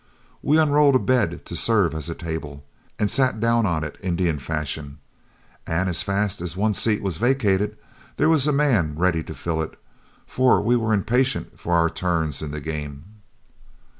We unrolled a bed to serve as a table, sat down on it Indian fashion, and as fast as one seat was vacated there was a man ready to fill it, for we were impatient for our turns in the game.